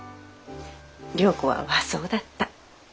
良子は和装だった。